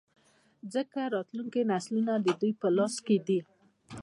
ځـکـه راتـلونکي نـسلونه د دوي پـه لاس کـې دي.